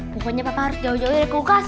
pokoknya papa harus jauh jauh dari kulkas